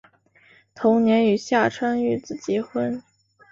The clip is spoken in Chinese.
同年与下川玉子结婚。